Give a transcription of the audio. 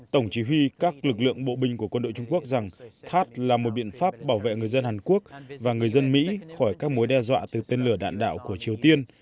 tổng chỉ huy các lực lượng bộ binh của quân đội trung quốc rằng tháp là một biện pháp bảo vệ người dân hàn quốc và người dân mỹ khỏi các mối đe dọa từ tên lửa đạn đạo của triều tiên